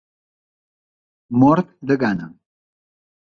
Mort de gana.